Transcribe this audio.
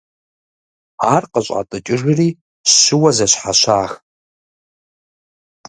Ар къыщӀатӏыкӏыжри щыуэ зэщхьэщах.